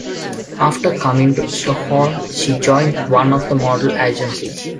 After coming to Stockholm she joined one of the model agencies.